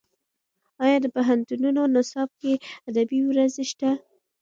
ایا د پوهنتونونو نصاب کې ادبي ورځې شته؟